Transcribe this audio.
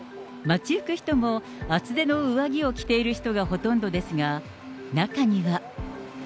街行く人も、厚手の上着を着ている人がほとんどですが、中には。